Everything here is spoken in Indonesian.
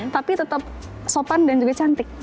tapi tetap sopan dan juga cantik